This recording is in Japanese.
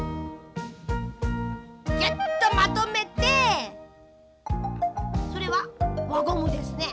ギュッとまとめてそれはわゴムですね。